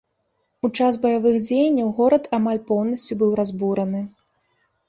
У час баявых дзеянняў горад амаль поўнасцю быў разбураны.